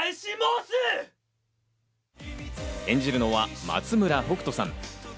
演じるのは松村北斗さん。